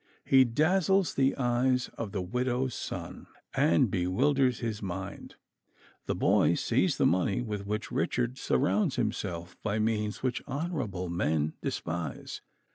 He dazzles the eyes of the widow's son, and bewilders his mind. The boy sees the money with which Richard surrounds himself by means which honorable men despise.